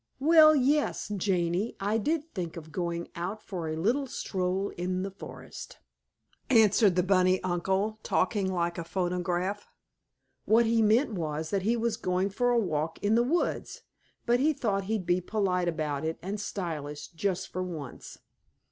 "Well, yes, Janie, I did think of going out for a little stroll in the forest," answered the bunny uncle, talking like a phonograph. What he meant was that he was going for a walk in the woods, but he thought he'd be polite about it, and stylish, just for once.